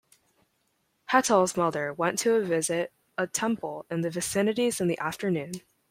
Hetal's mother went to visit a temple in the vicinities in the afternoon.